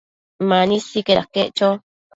Mani sicaid aquec cho